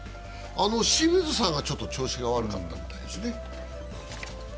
清水さんは、ちょっと調子が悪かったみたいですね。